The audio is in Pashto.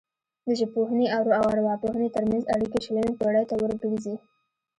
د ژبپوهنې او ارواپوهنې ترمنځ اړیکې شلمې پیړۍ ته ورګرځي